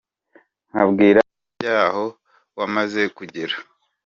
Nkabwira ibyaho wamaze kugera